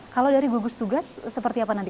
kalau dari gugus tugas seperti apa nanti